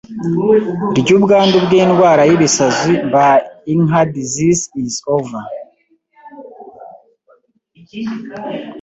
ry ubwandu bw indwara y ibisazi by inka disease is over